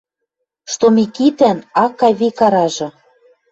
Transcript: Что Микитӓн ак кай вик аражы